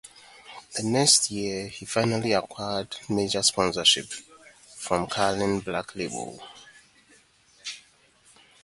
The next year, he finally acquired major sponsorship, from Carling Black Label.